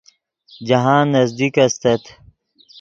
جاہند نزدیک استت